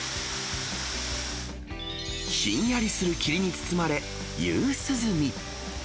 ひんやりする霧に包まれ、夕涼み。